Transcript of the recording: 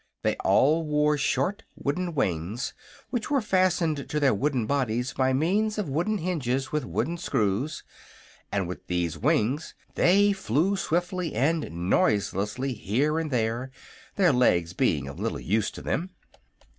They all wore short wooden wings which were fastened to their wooden bodies by means of wooden hinges with wooden screws, and with these wings they flew swiftly and noiselessly here and there, their legs being of little use to them.